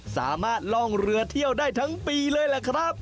ล่องเรือเที่ยวได้ทั้งปีเลยล่ะครับ